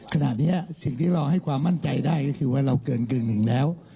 ขณะนี้สิ่งที่เราให้ความมั่นใจได้ก็คือว่าเราเกินกึ่งหนึ่งแล้ว